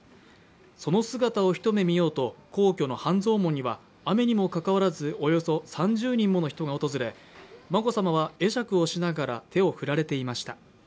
その姿を一目見ようと皇居の半蔵門には雨にもかかわらず、およそ３０人もの人が訪れ、眞子さまは会釈をしながら手を振られていました。